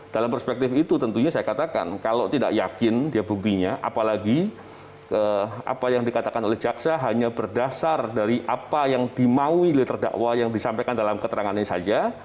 dalam perspektif itu tentunya saya katakan kalau tidak yakin dia buktinya apalagi apa yang dikatakan oleh jaksa hanya berdasar dari apa yang dimaui oleh terdakwa yang disampaikan dalam keterangannya saja